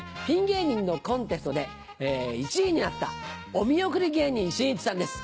芸人のコンテストで１位になったお見送り芸人しんいちさんです。